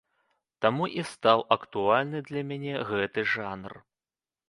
Таму і стаў актуальны для мяне гэты жанр.